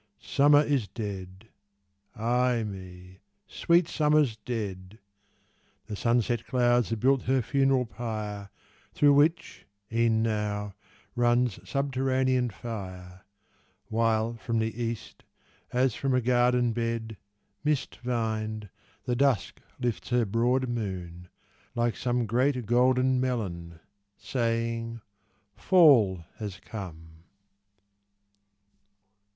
Summer is dead, ay me! sweet Summer's dead! The sunset clouds have built her funeral pyre, Through which, e'en now, runs subterranean fire: While from the East, as from a garden bed, Mist vined, the Dusk lifts her broad moon like some Great golden melon saying, "Fall has come."